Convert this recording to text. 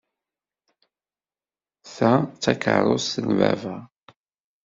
Ta d takerrust n baba.